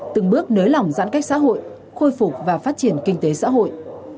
từng bước nới lỏng giãn cách xã hội khôi phục và phát triển kinh tế xã hội